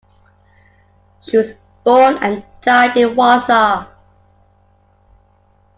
She was born and died in Warsaw.